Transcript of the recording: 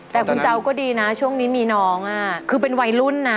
แต่คุณเจ้าก็ดีนะช่วงนี้มีน้องคือเป็นวัยรุ่นนะ